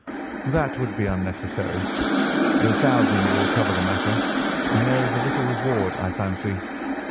"That would be unnecessary. Three thousand will cover the matter. And there is a little reward, I fancy.